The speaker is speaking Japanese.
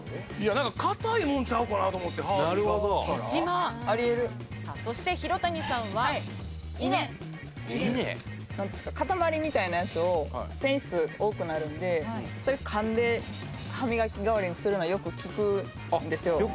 かたいもんちゃうかなと思って歯磨くからなるほどへちまありえるさあそして廣谷さんははいイネかたまりみたいなやつを繊維質多くなるんでそれかんで歯磨き代わりにするのはよく聞くんですよあっ